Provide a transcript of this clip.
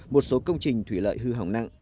một số công trình thủy lợi hư hỏng nặng